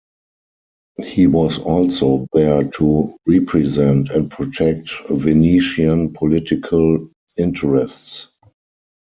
He was also there to represent and protect Venetian political interests.